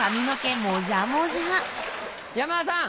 山田さん